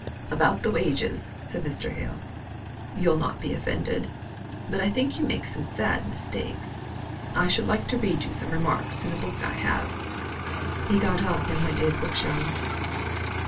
"About the wages," said Mr. Hale. "You'll not be offended, but I think you make some sad mistakes. I should like to read you some remarks in a book I have." He got up and went to his bookshelves.